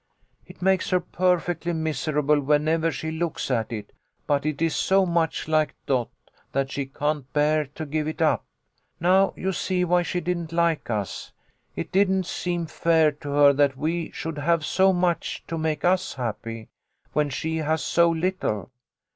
It makes her perfectly miserable whenever she looks at it, but it is so much like Dot that she can't bear to give it up. Now you see why she didn't like us. It didn't seem fair to her that we should have so much to make us happy, when she has so little.